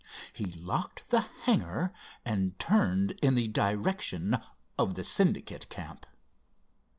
He locked the hangar, and turned in the direction of the Syndicate camp.